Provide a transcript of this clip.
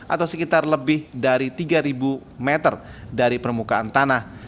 atau sekitar lebih dari tiga meter dari permukaan tanah